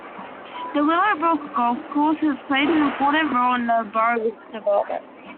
The Willowbrook Golf Course has played an important role in the borough's development.